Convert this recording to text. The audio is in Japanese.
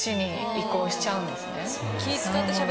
移行しちゃうんですね。